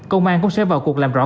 công an cũng sẽ vào cuộc làm rõ